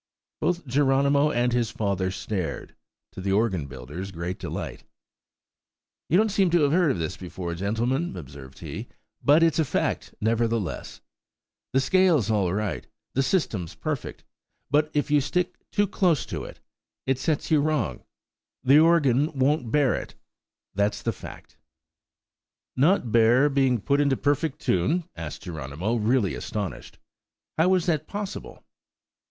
Both Geronimo and his father stared, to the organ builder's great delight. "You don't seem to have heard of this before, gentlemen," observed he; "but it's a fact, nevertheless. The scale's all right; the system's perfect; but if you stick too close to it, it sets you wrong. The organ won't bear it, that's the fact." "Not bear being put into perfect tune?" asked Geronimo, really astonished. "How is that possible?"